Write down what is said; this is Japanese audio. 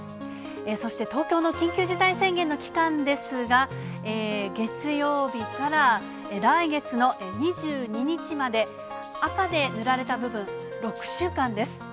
そして東京の緊急事態宣言の期間ですが、月曜日から来月の２２日まで、赤で塗られた部分、６週間です。